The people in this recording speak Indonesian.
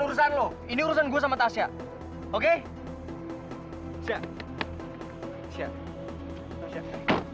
urusan lo ini urusan gua sama tasnya oke kinda